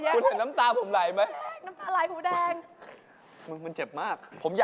แล้วปล่อยได้แล้วปล่อยแล้วปล่อยแล้วปล่อย